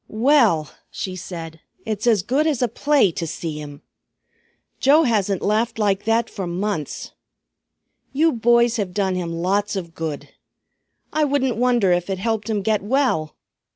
"Well," she said, "it's as good as a play to see him. Joe hasn't laughed like that for months. You boys have done him lots of good. I wouldn't wonder if it helped him get well!